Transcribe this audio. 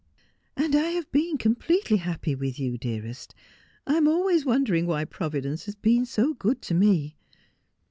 ' And I have been completely happy with you, dearest. I am always wondering why Providence has been so good to me.'